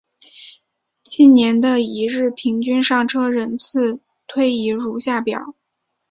近年的一日平均上车人次推移如下表。